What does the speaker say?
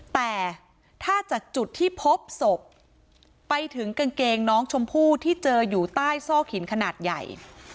แต่ถ้าจากจุดที่พบศพไปถึงกางเกงน้องชมพู่ที่เจออยู่ใต้ซอกหินขนาดใหญ่